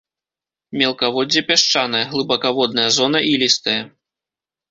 Мелкаводдзе пясчанае, глыбакаводная зона ілістая.